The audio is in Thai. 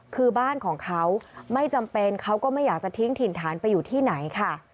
คือบ้านของเขาไม่จำเป็นเขาก็ไม่อยากจะทิ้งถิ่นฐานไปอยู่ที่ไหนค่ะ